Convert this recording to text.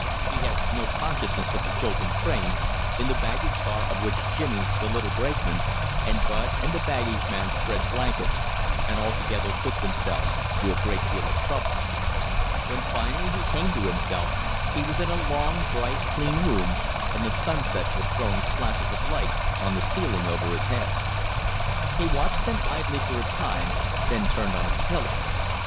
He had no consciousness of the jolting train, in the baggage car of which Jimmy, the little brakeman, and Bud, and the baggage man spread blankets, and altogether put themselves to a great deal of trouble. When finally he came to himself, he was in a long, bright, clean room, and the sunset was throwing splashes of light on the ceiling over his head. He watched them idly for a time; then turned on his pillow.